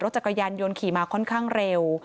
จักรยานยนต์ขี่มาค่อนข้างเร็ว